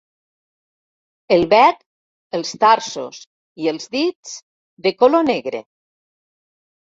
El bec, els tarsos i els dits, de color negre.